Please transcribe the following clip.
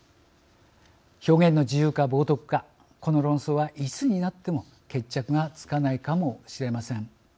表現の自由か冒とくかこの論争は、いつになっても決着がつかないかもしれません。